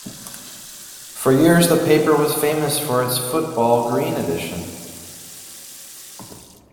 For years the paper was famous for its "Football Green" edition.